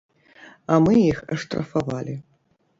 А мы іх аштрафавалі.